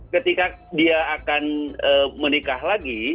ketika dia akan menikah lagi